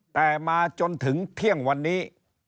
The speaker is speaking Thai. แต่มาจนถึงเที่ยงวันนี้